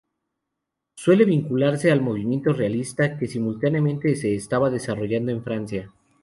Suele vincularse al movimiento realista que simultáneamente se estaba desarrollando en Francia.